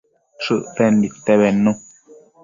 Shëcten nidte bednu